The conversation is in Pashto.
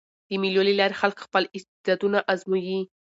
د مېلو له لاري خلک خپل استعدادونه آزمويي.